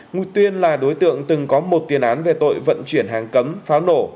nguyễn văn tuyên là đối tượng từng có một tiền án về tội vận chuyển hàng cấm pháo nổ